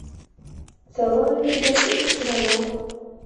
Цалую цябе тысячы разоў.